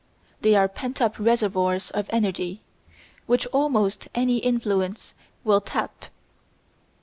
They are pent up reservoirs of energy, which almost any influence will tap.